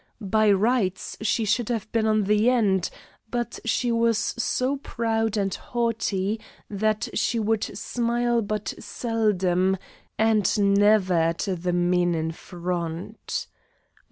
By rights she should have been on the end, but she was so proud and haughty that she would smile but seldom, and never at the men in front.